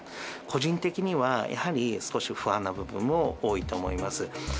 個人的には、やはり少し不安な部分も多いと思います。